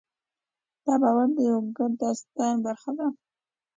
دا باور د یوه ګډ داستان برخه ده.